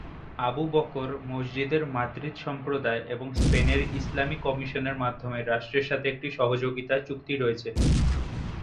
আবু-বকর মসজিদের মাদ্রিদ সম্প্রদায় এবং স্পেনের ইসলামী কমিশনের মাধ্যমে রাষ্ট্রের সাথে একটি সহযোগিতা চুক্তি রয়েছে।